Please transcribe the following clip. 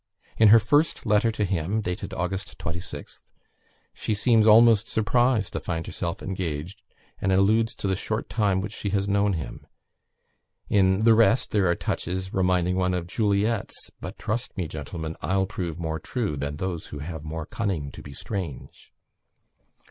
In her first letter to him, dated August 26th, she seems almost surprised to find herself engaged, and alludes to the short time which she has known him. In the rest there are touches reminding one of Juliet's "But trust me, gentleman, I'll prove more true, Than those that have more cunning to be strange."